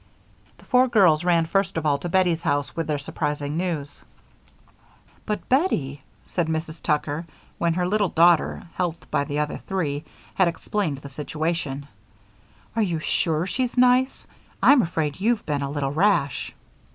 The four girls ran first of all to Bettie's house with their surprising news. "But, Bettie," said Mrs. Tucker, when her little daughter, helped by the other three, had explained the situation, "are you sure she's nice? I'm afraid you've been a little rash."